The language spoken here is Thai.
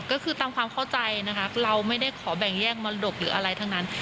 ก็คือตามความเข้าใจนะคะเราไม่ได้ขอแบ่งแยกมรดกหรืออะไรทั้งนั้น